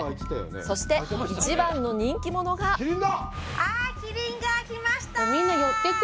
そして、一番の人気者があぁ、キリンが来ました！